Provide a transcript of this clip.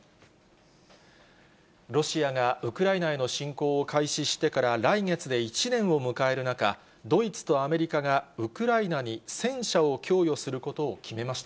ロシアがウクライナへの侵攻を開始してから来月で１年を迎える中、ドイツとアメリカがウクライナに戦車を供与することを決めました。